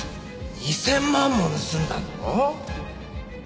２０００万も盗んだんだろう？